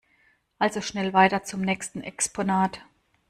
Also schnell weiter zum nächsten Exponat!